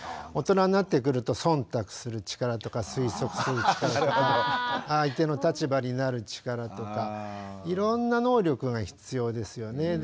大人になってくると忖度する力とか推測する力とか相手の立場になる力とかいろんな能力が必要ですよね。